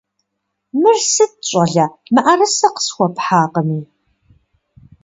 Мыр сыт, щӀалэ, мыӀэрысэ къысхуэпхьакъыми?